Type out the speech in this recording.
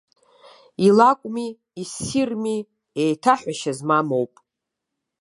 Илакәми, иссирми, еиҭаҳәашьа змам ауп.